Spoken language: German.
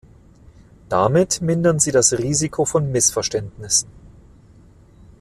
Damit mindern sie das Risiko von Missverständnissen.